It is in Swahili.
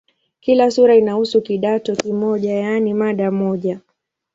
Kila sura inahusu "kidato" kimoja, yaani mada moja.